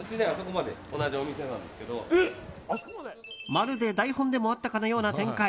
まるで台本でもあったかのような展開。